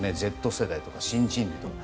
Ｚ世代とか新人類とか。